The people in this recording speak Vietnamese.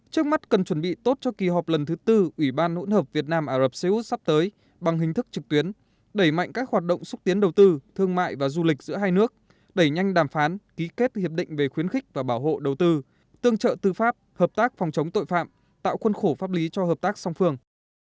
trước mắt cần chuẩn bị tốt cho kỳ họp lần thứ tư ủy ban hỗn hợp việt nam ả rập xê út sắp tới bằng hình thức trực tuyến đẩy mạnh các hoạt động xúc tiến đầu tư thương mại và du lịch giữa hai nước đẩy nhanh đàm phán ký kết hiệp định về khuyến khích và bảo hộ đầu tư tương trợ tư pháp hợp tác phòng chống tội phạm tạo khuôn khổ pháp lý cho hợp tác song phương